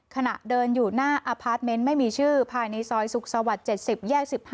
ขณะเดินอยู่หน้าอพาร์ทเมนต์ไม่มีชื่อภายในซอยสุขสวรรค์๗๐แยก๑๕